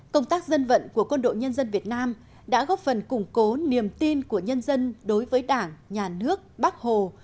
công tác dân vận của quân đội nhân dân việt nam đã góp phần củng cố niềm tin của nhân dân đối với đảng nhà nước bác hồ